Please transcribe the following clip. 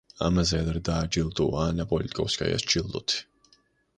ამაზე ადრე დააჯილდოვა ანა პოლიტკოვსკაიას ჯილდოთი.